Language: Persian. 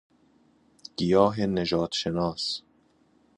گیاه نژادشناس